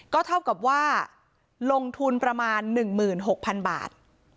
ก็เท่ากับว่าลงทุนประมาณ๑๖๐๐๐บาท